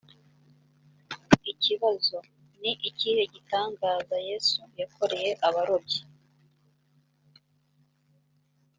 ibibazo ni ikihe gitangaza yesu yakoreye abarobyi